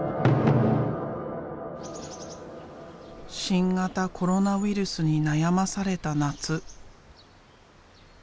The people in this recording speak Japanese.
新型コロナウイルスに悩まされた夏。